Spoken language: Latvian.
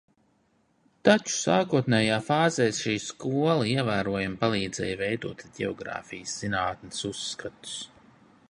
Taču sākotnējā fāzē šī skola ievērojami palīdzēja veidot ģeogrāfijas zinātnes uzskatus.